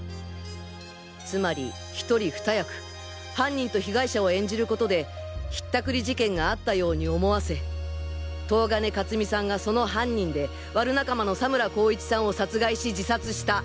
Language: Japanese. つまり一人二役犯人と被害者を演じることで引ったくり事件があったように思わせ東金勝美さんがその犯人でワル仲間の佐村功一さんを殺害し自殺した。